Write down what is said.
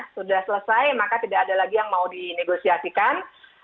sudah selesai maka tidak ada lagi yang mau dinegosiasikan